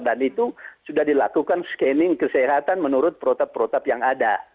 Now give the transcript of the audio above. dan itu sudah dilakukan scanning kesehatan menurut protot protot yang ada